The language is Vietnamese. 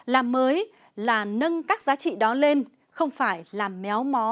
làm mới là nâng các giá trị đó lên không phải làm méo mó